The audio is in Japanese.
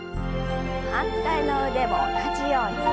反対の腕も同じように。